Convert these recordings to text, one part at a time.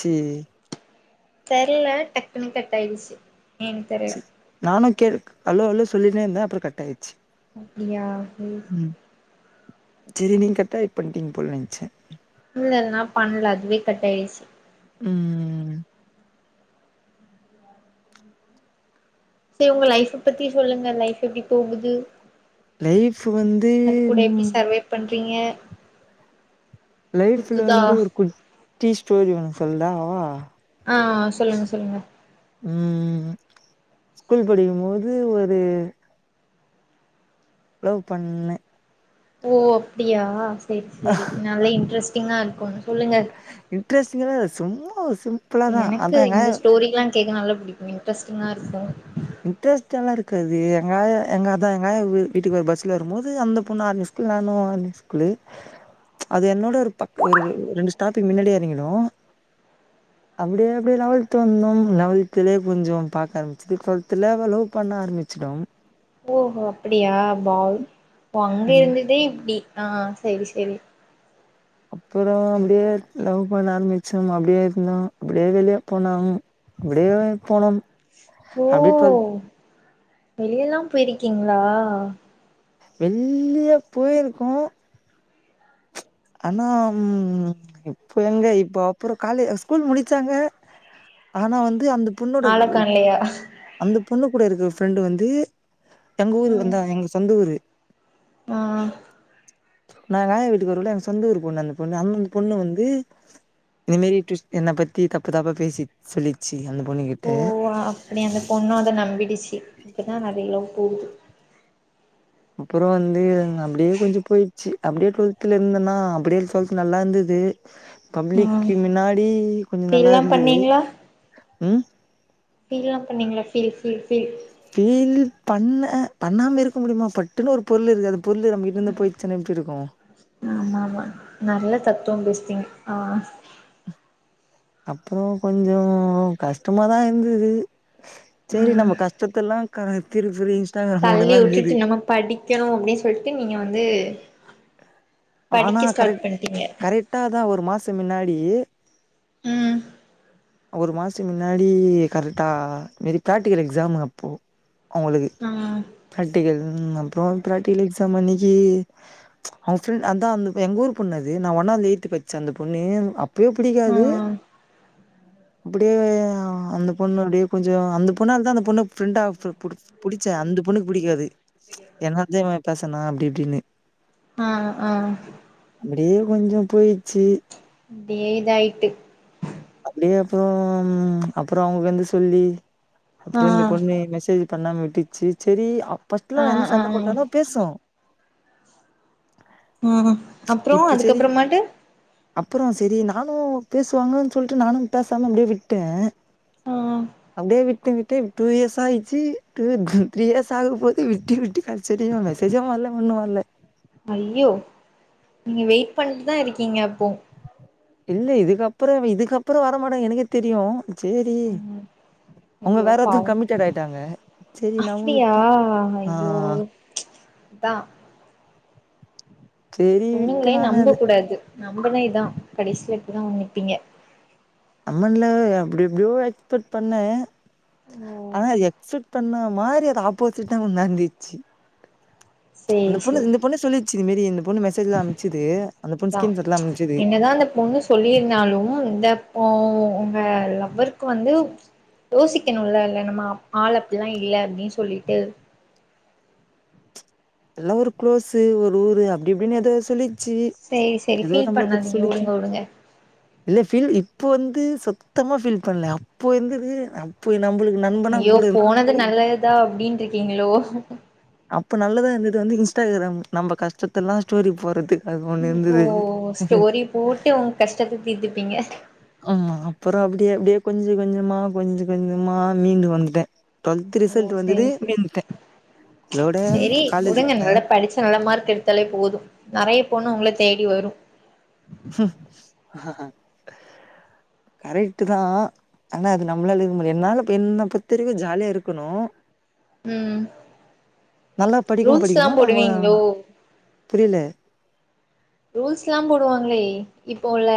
ச்சி தெர்லனா டக்குனு கட் ஆயிடுச்சு ஏன் தெர்ல சி நானு கே ஹலோ ஹலோ சொல்லின்னே இருந்த அப்றோ கட் ஆயிச்சு அப்டியா சேரி ம் சேரி நீங்க கரெக்டா ஏட் பண்ட்டீங்க போல நென்ச்ச இல்லல்ல நா பண்ல அதுவே கட்டாயிருச்சு ம் சேரி உங்க லைஃப பத்தி சொல்லுங்க லைஃப் எப்டி போகுது? லைஃப் வந்து அது கூட எப்டி ம் சர்வே பண்றீங்க லைஃப்ல சுத்துதா வந்து ஒரு குட்டி ஸ்டோரி ஒன்னு சொல்தாவா ஆ சொல்லுங்க சொல்லுங்க ம் ஸ்கூல் படிக்கும்போது ஒரு லவ் பண்ண ஓ அப்டியா செரி செரி நல்லா இன்ட்ரெஸ்டிங்கா இருக்குன் சொல்லுங்க இன்ட்ரெஸ்ட்டிங்காதா சும்மா சிம் எனக்கு இந்த ஸ்டோரியெல்லா கேக்க நல்லா புடிக்குமே இன்ட்ரெஸ்டிங்கா இருக்கு இன்ட்ரெஸ்ட்டால்லா இருக்காது எங்க ஆயா எங்கதா எங்க ஆயா வீட்டுக்கு ஒரு பஸ்ல வரும்போது அந்த பொண்ணு அ வீட்ல நானு அந்த ஸ்கூலு அது என்னோட ஒரு பக் ஒரு ரெண்டு ஸ்டாபிங்கு மின்னாடியே எறங்கிடு அப்டி அப்டி லெவல்த் வந்தோ லெவல்த்லயே கொஞ்சோ பாக்க ஆரம் செரி டுவெல்த்துல லவ் பண்ண ஆரம்பிச்சுடு ஓஹோ அப்டியா வாவ் அங்க ம் இருந்துட்டே இப்டி ஆ செரி செரி அப்றோ அப்டியே லவ் பண்ண ஆரம்பிச்சம் அப்டியே இருந்தோ அப்டியே வெளியே போனோ அப்டியேவே போனோம் ஓ அப்டியே டுவெல் வெளியல்லா போயிருக்கிங்ளா எங்யோ போயிருக்கோ ஆனா இப்போ எங்க இப்போ அப்றோ காலே ஸ்கூல் முடிச்சாங்க ஆனா வந்து அந்த பொண்ணோட ஆலக்கான்லயா அந்த பொண்ணு கூட இருக்ற ஃப்ரெண்டு வந்து எங்க ஊரு ம் வந்தா எங்க சொந்த ஊரு ஆ நா எங்க ஆயா வீட்டுக்கு வருவல்ல எங்க சொந்த ஊர் பொண்ணு அந்த பொண்ணு அந்தந்த பொண்ணு வந்து இந்த மாரி டிடுவிஸ்ட் என்ன பத்தி தப்பு தாப்பா பேசி சொல்லிச்சு அந்த பொண்ணு கிட்ட இப்டி அந்த பொண்ணு அத நம்பிடுச்சு அப்டிதா நெறையா லவ் போகுது அப்றோ வந்து அப்டியே கொஞ்சோ போ ருச்சு அப்டியே டூவல்த்ல இருந்தன்னா அப்டியே டூவல்த் நல்லா இந்துது ம் பப்ளிக்கு மின்னாடி கொஞ்சோ நல்லா ஃபீல்லா இருந்துது பண்ணீங்களா ம் ஃபீல்லா பண்ணீங்ளா ஃபீல் ஃபீல் ஃபீல் ஃபீல் பண்ண பண்ணாம இருக்க முடியுமா பட்டுன்னு ஒரு பொருள் இருக்குது அது பொருள் நம்மகிட்ட இருந்து போயிருச்சுனா எப்டி இருக்கு ஆமாமா நல்லா தத்துவோம் பேசுறிங்க ஆ அப்றோ கொஞ்சோ கஷ்டமாதா இருந்துது செரி நம்ம கஷ்டத்தல்லா கா திரிபுரி தள்ளி விட்டுட்டு நம்ம படிக்கணு அப்டின் சொல்ட்டு நீங்க வந்து படிக்க ஸ்டார்ட் பண்டீங்க அட்டா தா ஒரு மாச மின்னாடி ம் ஒரு மாச முன்னாடி கரெக்டா இந்த மாரி பிராக்டிக்கல் எக்ஸாமு அப்போ அவங்களுக்கு ம் பிராக்டிக்கல் ம் அப்றோ பிராக்டிக்கல் எக்ஸாம் அன்னைக்கு அவங்க ஃப்ரெண்ட் அதா அந்த எங்க ஊர் பொண்ணு அது நா ஒன்னாதுல எயித்து படிச்சன் அந்த பொண்ணு அப்பயே ஆ புடிக்காது அப்டியே அந்த பொண்ணு அப்டியே கொஞ்சோ அந்த பொண்ணால தா அந்த பொண்ணு ஃபிரண்டா புடுச் புடிச்ச அந்த பொண்ணுக்கு புடிக்காது என்னால்தா இவ பேசுனா அப்டி இப்டின்னு ஆ ஆ அப்டியே கொஞ்சோ போய்ருச்சு டே இதாய்ட்டு அப்டியே அப்பற அப்பற அவங்க வந்து சொல்லி அப்பற ஆ இந்த பொண்ணு மெசேஜ் பண்ணாம விட்டுச்சு சரி ஆ ஃபர்ஸ்ட்ல என்ன சண்டை ஆ போட்டாலு பேசு ம் அப்றோ இப்போ சரி அதுக்கப்றமாட்டு அப்பற சரி நானு பேசுவாங்கன் சொல்ட்டு நானு பேசாம அப்டியே விட்ட ஆ அப்டியே விட்டு விட்டு டூ இயர்ஸ் ஆயிச்சு டூ த்ரீ இயர்ஸ் ஆக போது விட்டு விட்டு அது சரி மெசேஜு வரல ஒண்ணு வரல ஐயோ நீங்க வெயிட் பண்ட்டுதா இருக்கீங்க அப்போ இல்ல இதுக்கப்றோ இதுக்கப்றோ வரமாட்டாங்க எனக்கே தெரியு செரி ம் அவங்க ஐயோ வேற ஒருத்தர் பாவோ கமிட்டட் ஆயிட்டாங்க சரி நானு அப்டியா விட்ட ஆ ஐயோ அதா சேரி விட்டு பொண்ணுங்களே நானு நம்பக்க அது கூடாது நம்புனா இதா கடைசில இப்டிதா வந்து நிப்பீங்க அம்மன்ல அப்டி எப்டியோ எக்ஸ்பெக்ட் பண்ண ஓ ஆனா எக்சப்ட் பண்ண மாதிரி அது ஆப்போசிட்டா ஒன்னு நடந்திட்ச்சி அந்த சேரி பொண்ணு சேரி இந்த பொண்ணு சொல்லிட்ச்சு இந்த மாரி இந்த பொண்ணு மெசேஜ்லா அம்ச்சுது அந்த பொண்ணு ஸ்கிரீன் ஷாட்லா அம்ச்சுது எத அந்த பொண்ணு சொல்லிருந்தாலு இந்தப்போ உங்க லவ்வர்க்கு வந்து யோசிக்கணுல இல்ல நம்ம ஆள் அப்டிலா இல்ல அப்டின் சொல்லிட்டு எல்லா ஒரு குளோஸு ஒரு ஊரு அப்டி இப்டின்னு எதோ சொல்லி சி சேரி சேரி எதோ ஃபீல் நம்மள பத்தி பண்ணாதீங்க சொல்லிச்சு வுடுங்க வுடுங்க இல்லை ஃபீல் இப்போ வந்து சுத்தமா ஃபீல் பண்ணல அப்போ இருந்தது அ இப்போ நம்புளுக்கு நம் ஐயோ போனது நல்லதுதா அப்டின்னு இருக்கீங்களோ அப்ப நல்லதா இருந்தது வந்து இன்ஸ்டாகிராம் நம்ம கஷ்டத்தெல்லா ஸ்டோரி போறது ஓ ஸ்டோரி போட்டு உங்க கஷ்டத்த தீர்த்துப்பீங்க ஆமா அப்பறோ அப்டியே அப்டியே கொஞ்சோ கொஞ்சோமா கொஞ்சோ கொஞ்சோமா மீண்டு வந்துட்ட டுவெல்த் ரிசல்ட் வந்தது ஓடி வந்துட்ட சரி உடுங்க நல்லா படிச்சு நல்ல மார்க் எடுத்தாலே போது நெறய பொண்ணு உங்கள தேடி வரு கரெக்ட்தா ஆனா அது நம்மளால இருக்க முடியு என்னால என்னப் பொருத்த வரைக்கு ஜாலியா இருக்கணு ம் நல்லா படிக்கு ரூல்ஸ்லா படிக்கணு நம்ம போடுவீங்களோ புரியல ரூல்ஸ்ல்லா போடுவாங்ளே இப்ப உள்ள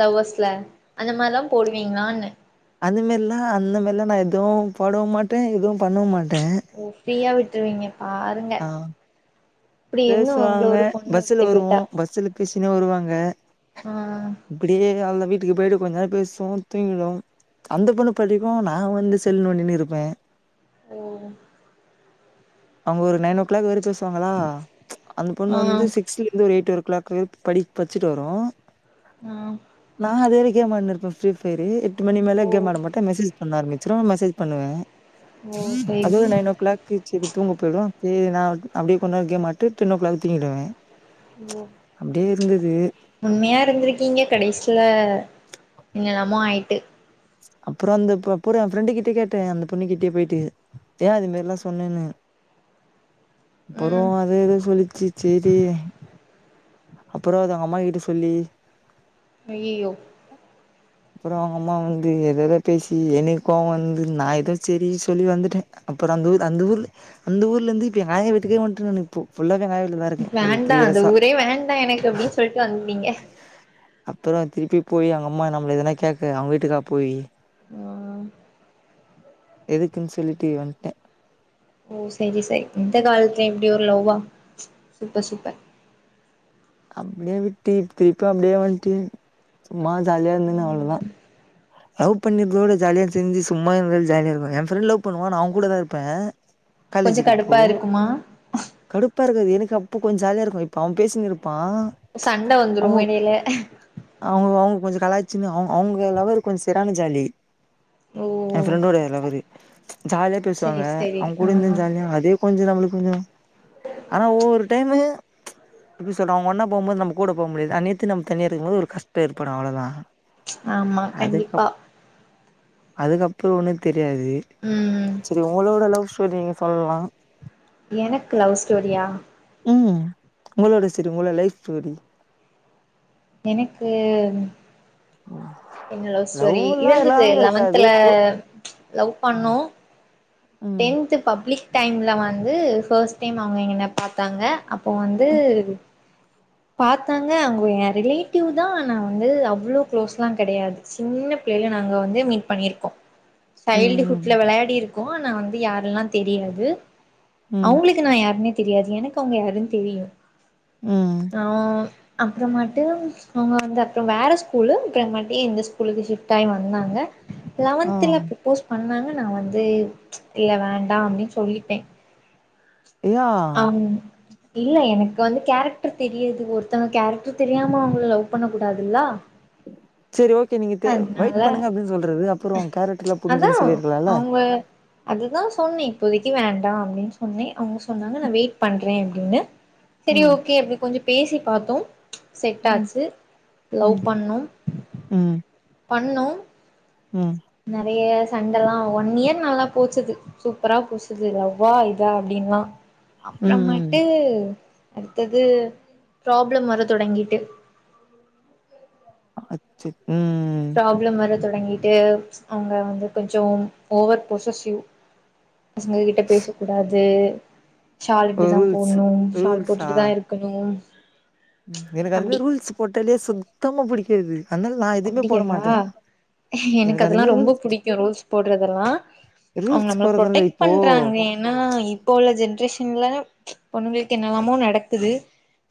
லவ்வர்ஸ்ல அந்த மாரிலா போடுவீங்களான்ன அந்த மாரில்லா அந்த மாரிலா நா எதுவு போடவு மாட்ட எதுவு பண்ணவு மாட்ட ஓ ஃபிரியா விட்ருவீங்க பாருங்க ஆ இப்டி இருந்து உங்கள பேசுவாங்க ஒரு பொண்ணு பஸ்ல விட்டு வருவோ போயிட்டா பஸ்ல பேசினே வருவாங்க அ இப்டியே அல்ல வீட்டுக்கு போய்ட்டு கொஞ்ச நேரோ பேசு துக்கிடு அந்த பொண்ணு படிக்கு நா வந்து செல் நொன்டினு இருப்பே ஓ அவுங்க ஒரு நைனோ ஓ கிளாக் வரை பேசுவாங்களா அந்த பொண்ணு ஆ வந்து சிக்ஸல இருந்து ஒரு எயிட் ஒரு க்ளாக் வெறு படி படிச்சுட்டு வரு ஆ ம் நா அது வர கேம் ஆடினு இருப்பே ஃப்ரீஃபயர் எட்டு மணி மேலே ஓ கேம் ஆட மாட்டே மெசேஜ் பண்ண அரமிச்சிரு நா மெசேஜ் பண்ணுவே ஓ சேரி அது ஒரு சேரி நைன் ஓ கிளாக் கு செரி தூங்க போயிடு செரி நா அப்டியே கொண் நேரோ கேம் ஆடிட்டு டென் ஓ க்ளாக் தூங்கிடுவே ஓ அப்டியே இருந்தது உண்மையா இருந்துருக்கீங்க கடைசியில என்னென்னமோ ஆயிட்டு அப்றோ அந்த ப அப்றோ எ ஃப்ரெண்டு கிட்டே கேட்டே அந்த பொண்ணிக்கிட்டயே போய்ட்டு ஏ அது மாரிலா சொன்னனு அப்றோ ம் அது ஏதோ சொல்லுச்சு சேரி அப்றோ அது அவுங்க அம்மா கிட்ட சொல்லி அய்யயோ அப்றோ அவுங்க அம்மா வந்து எது ஏதோ பேசி என்க்கு கோவ வந்து நா ஏதோ சேரினு சொல்லி வந்துட்டே அப்றோ அந்த ஊரு அந்த ஊர்ல அந்த ஊர்ல இருந்து இப்ப எங்க ஆயா வீட்டுக்கே வந்துட்ட நானு இப்போ ஃபுல்லாவே எங்க ஆயா வீட்ல தா வேண்டா அந்த ஊரே வேண்டா எனக்கு அப்டினு சொல்ட்டு வந்துடீங்க அப்றோ திருப்பி போயி அவுங்க அம்மா நம்மள எதுனா கேக்க அவுங்க வீட்டுக்கா போயி அ எதுக்குனு சொல்லிட்டு வந்துட்டே ஓ செரி செரி இந்த காலத்துல இப்டி ஒரு லவ்வா சூப்பர் சூப்பர் ‌ அப்டியே விட்டு இப்ப திருப்பி அப்டியே வந்துட்டு சும்மா ஜாலியா இருந்தனு அவ்ளோ தா ம் லவ் பண்ணி ப்ரோட ஜாலியா தெரிஞ்சு சும்மா இருந்துட்டு ஜாலியா இருப்ப எ ஃப்ரெண்ட் லவ் பண்ணுவா நா அவகூடாதா இருப்பே காலேஜ் கொஞ்சோ கடுப்பா இருக்குமா வெறுப்பா இருக்காது எனக்கு அப்போ கொஞ்சோ ஜாலியா இருக்கு இப்போ அவ பேசினுருப்பா சண்ட வந்துரு எடையில அவுங்க அவுங்க கொஞ்சோ கலாய்ச்சினு அவ அவுங்க லவ்வரு கொஞ்சோ செரியான ஜாலி ஓ ஏ ஃபிரண்டோடைய லவ்வரு ஜாலியா சரி பேசுவாங்க சரி அவுங்க ஆ கூட இருந்தா ஜாலியா அதே கொஞ்சோ நம்முளுக்கு கொஞ்சோ ஆனா ஒவ்வோரு டைமு எப்டி சொல்ற அவுங்க ஒண்ணா போம்போது நம்ம கூட போ முடியாது அ நேர்த்து நம்ம தனியா இருக்கும் போது ஒரு கஷ்டோ ஏற்படோ அவ்ளோ தா ஆமா கண்டிப்பா அதுக்கப்றோ ஒன்னு தெரியாது ம் ம் செரி உங்களோட லவ் ஸ்டோரி நீங்க சொல்லலா எனக்கு லவ் ஸ்டோரியா ம் உங்களோட செரி உங்களோட லைஃப் ஸ்டோரி எனக்கு [inaudible] எங்க லவ் ஸ்டோரி லவ்வுல்லா இருந்துது எல்லாமே லெவன்த்ல இருக்காது கோ லவ் ம் பண்ணோ ம் டென்த்து பப்ளிக் டைம்ல வந்து ஃபர்ஸ்ட் டைம் அவுங்க எங் என்ன பாத்தாங்க அப் இப்போ வந்து பாத்தாங்க அவுங்க ஏ ரிலேட்டிவ் தா ஆனா வந்து அவ்ளோ க்ளோஸ்லா கெடையாது சின்ன பிள்ளைல நாங்க வந்து மீட் பண்ணிருக்கோ சைல்டுஹுட்ல ம் விளையாடி இருக்கோ ஆனா வந்து யாரெல்லா தெரியாது ம் அவுங்குளுக்கு நா யாருனே தெரியாது எனக்கு அவுங்க யாருனு தெரியு ம் ஆ அப்றமாட்டு அவுங்க வந்து அப்றோ வேற ஸ்கூலு அப்றமேட்டு இந்த ஸ்கூலுக்கு ஷிஃப்ட்டாயி வந்தாங்க ஆ லெவன்த்ல ப்ரப்போஸ் பண்ணாங்க நா வந்து இல்ல வேண்டா அப்டீன்னு சொல்லிட்டே யா ஆ இல்ல எனக்கு வந்து கேரக்ட்ரு தெரியாது ஒருத்தங்க கேரக்ட்ரு தெரியாம அவுங்கள லவ் பண்ண கூடாதுல செரி ஓகே நீங்க வெயிட் தெரியா வெய்ட் பண்ணுங்க அப்டீன்னு சொல்றது அப்றோ கேரக்ட்ருலா அதா புரிஞ்சினு சொல்லியிருக்கலால அவங்க அதுதா சொன்னே இப்போதைக்கி வேண்டா அப்டீன்னு சொன்னே அவுங்க சொன்னாங்க நா வெயிட் பண்றே அப்டீன்னு செரி ம் ஓகே அப்டி கொஞ்சோ பேசி பாத்தோ ம் செட்டாச்சு லவ் ம் பண்ணோ ம் பண்ணோ ம் நறைய சண்டலா ஒன் இயர் நல்லா போச்சுது சூப்பரா புதுசுது லவ்வா இதா அப்டீன்லா ம் ம் அப்புறோமேட்டு அடுத்தது ப்ராப்ளம் வர தொடங்கிட்டு அச் உம் ப்ராப்ளம் வர தொடங்கிட்டு அவுங்க வந்து கொஞ்சோ ஓவர் பொசஸிவ் பசங்க கிட்ட பேச கூடாது ஷால் இப்டிதா ரூல்ஸ் போட்ணு ஷால் ரூல்ஸா போட்டுட்டுதா இருக்கணும் ம் எனக்கு அதுமே ரூல்ஸ் போட்டாலயே சுத்தமா பிடிக்காது அதனால நா எதுவுமே அப்டியா போட மாட்டே எனக்கு அதெல்லா அதுமாரி ரொம்ப ரூல்ஸ் பிடிக்கோ ரூல்ஸ் போடுறதெல்லா அவுங்க ரூல்ஸ் நம்மள போறதுல்ல ப்ரொடெக்ட் இப்போ பன்றாங்க ஏன்னா இப்போ உள்ள ஜென்ரேஷன்ல பொண்ணுங்குளுக்கு என்னெல்லாமோ நடக்குது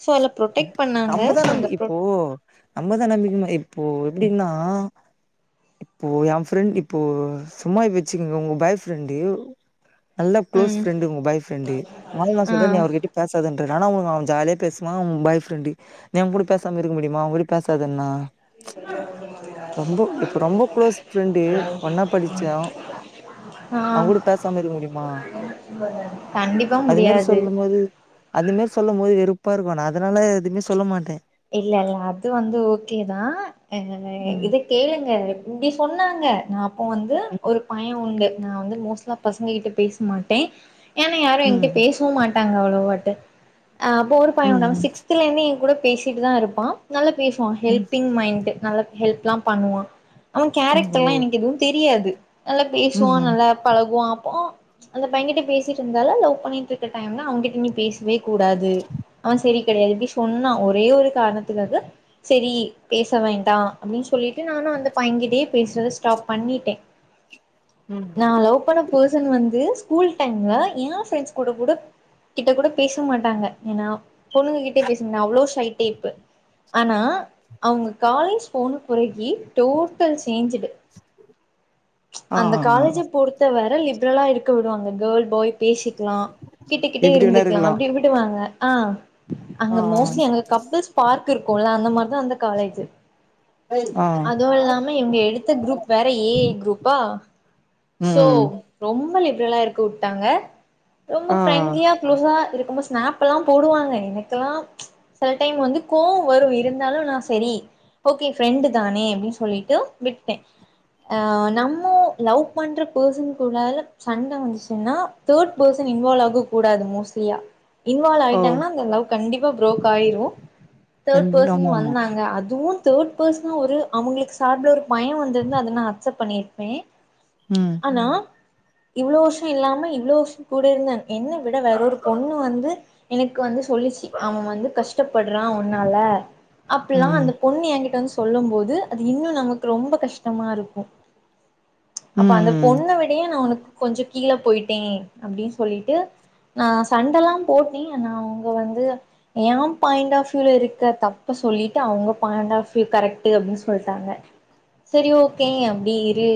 சோ அ ப்ரொடெக்ட் பண்ணாங்க அந்த ப்ரோ ஓ நம்மதான் நம்பிக்கனும் இப்போ எப்டின்னா இப்போ என் ஃப்ரெண்ட் இப்போ சும்மா வெச்சுக்கோங்க உங்க பாய் ஃப்ரெண்டு நல்லா க்ளோஸ் ம் ஃப்ரெண்டு உங்க பாய்ப்ரெண்டு மரவ ஆ சொல்றே நீ அவரு கிட்ட பேசாதுன ஆனா ஜாலியா பேச மா ஊன் பாய் ஃப்ரெண்டு நீ அவன் கூட பேசாம இருக்க முடியுமா அவன் கூட பேசாதனா ரொம்ப க்ளோஸ் ஹலோ அவன் கூட பேசாம இருக்க முடியுமா கண்டிப்பா அது மெரி முடியாது சொல்லும் போது அதுமாரி சொல்லும் போது வெறுப்பா இருக்கும் நான் அதனால எதுவுமே சொல்ல மாட்டேன் இல்ல இல்ல அது வந்து ஓகே தான் அ ம் இது கேளுங்க இப்டி சொன்னாங்க நான் அப்போ ம் ஒரு பயன் உண்டு நான் வந்து மோஸ்ட்லா பசங்க கிட்ட பேச மாட்டேன் ஏனா யாரும் என்கிட்ட ம் பேச போமாட்டாங்க அவ்ளோ வாட்டு அப்ப ஒரு பையன் வந்து அவன் ம் சிக்ஸ்தல இருந்து கூட பேசிட்டு தான் இருப்பான் நல்லா பேசுவான் ம் ஹெல்பிங் மைண்ட் நல்லா ஹெல்ப் எல்லாம் பண்ணுவான் அவன் ம் கேரக்டர் ஓ எல்லா எனக்கு எதுவும் தெரியாது நல்லா ம் பேசுவான் ம் நல்லா பழகுவான் அப்போ அந்த பையன்கிட்ட பேசிட்டு இருந்தால லவ் பண்ணிட்டு இருக்க டைம்ல அவங்கிட்ட நீ பேசுவ கூடாது அவ செரி கெடையாது இப்டி சொன்னா ஒரே ஒரு காரணத்துக்காக செரி பேச வேண்டா அப்டீன்னு சொல்லிட்டு நானு அந்த பையங்கிட்டயே பேசுறத ஸ்டாப் பண்ணிட்டே உம் நா லவ் பண்ண பர்சன் வந்து ஸ்கூல் டைம்ல ஏ ஃப்ரெண்ட்ஸ் கூட கூட கிட்ட கூட பேச மாட்டாங்க ஏன்னா பொண்ணுங்க கிட்டே பேச மாட்டாங்க அவ்ளோ ஷை டைப்பு ஆனா அவுங்க காலேஜ் போன குறகி டோட்டல் சேஞ்சுடு ஆ அந்த ஆ ஆ காலேஜு பொறுத் வர லிபரலா இருக்க விடுவாங்க கேர்ள் பாய் பேசிக்கலாம் கிட்ட கிட்ட இப்டி வேணா இருந்துக்கலா இருக்கலா அப்டி திட்டுவாங்க அங்க ஆ மோஸ்ட்லி அங்க கப்ள்ஸ் பார்க் இருக்கும்ல்ல அந்த மாரிதான் அந்த காலேஜ் ஆ ஆ அதுவும் இல்லாம இவங்க எடுத்த குரூப் வேற ஏ ஐ குரூப்பா சோ ம் ரொம்ப லிப்ரலா இருக்கு வுட்டாங்க ரொம்ப ஆ ஃபரெண்ட்லியா க்ளோஸா இருக்கும்போ ஸ்நாப் பல்லா போடுவாங்க எனக்கெல்லா சில டைம் வந்து கோவம் வரும் இருந்தாலும் நான் செரி ஓகே ஃப்ரெண்டு தானே அப்டின்னு சொல்லிட்டு விட்டேன் நம்ம லவ் பண்ணுற பர்சன் கூடல சண்ட வந்துச்சுன்னா தேர்ட் பெர்சன் இன்வால்வ் ஆக கூடாது மோஸ்ட்லியா இன்வால்வ் ஓ ஆயிட்டாங்கன்னா அந்த லவ் கண்டிப்பா ப்ரோக் ஆயிடும் த்ர்டு ரெண்டு பர்சன் ஆமா ஆமா வந்தாங்க அதுவும் த்ர்டு பெர்சனா ஒரு அவங்களுக்கு சார்புல ஒரு பய வந்திருந்த அத நான் அக்செப்ட் பண்ணியிருப்பேன் ம் ஆனா இவ்ளோ வருஷம் இல்லாம இவ்ளோ வருஷம் கூட இருந்தேன் என்ன விட வேற ஒரு பொண்ணு வந்து எனக்கு வந்து சொல்லிச்சி அவன் வந்து கஷ்டப்படுறா உன்னால அப்ட்ல்லா ம் வந்து பொண்ணு என்ங்கிட்ட வந்து சொல்லும் போது அது இன்னும் நமக்கு ரொம்ப கஷ்டமா இருக்கும் அப்ப அந்த ம் பொண்ண விடையே உனக்கு கொஞ்ச கீழே பொய்ட்டே அப்டின்னு சொல்லிட்டு நான் சண்டல்லா போட்ட ஆனா அவங்க வந்து எயன் பாயிண்ட் ஆஃப் யூல இருக்க தப்ப சொல்லிட்டு அவங்க பாயிண்ட் ஆஃப் யூ கரெக்ட்டு அப்டின்னு சொல்ட்டாங்க செரி ஓகே அப்டி இரு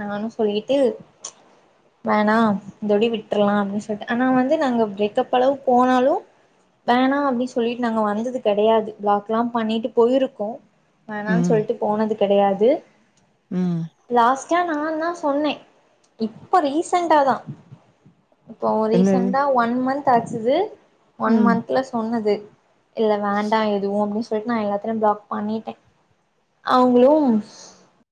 நானும் சொல்லிட்டு வேணா இந்தோடி விட்டுரலா அப்டின்னு சொல்லிட்டு ஆனா வந்து நாங்க பிரேக்ப் அளவு போனாலும் வேணா அப்டின்னு சொல்லிட்டு நாங்க வந்தது கடையாது பிளாக் எல்லாம் பண்ணிட்டு போயிருக்கோம் வேணாம்னு ம் சொல்ட்டு போனது கிடையாது ம் லாஸ்ட்டா நான் தான் சொன்னே இப்ப ரீசன்டாதான் இப்போ என்னது ரீசண்டா ஒன் மந்த் ஆச்சிது ஒன் ம் மந்த்ல சொன்னது இல்ல வேண்டா எதுவும் அப்டின்னு சொல்லிட்டு நான் எல்லாத்தலையும் பிளாக் பண்ணிட்டேன் அவங்களும்